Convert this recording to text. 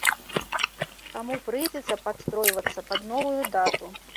Таму прыйдзецца падстройвацца пад новую дату.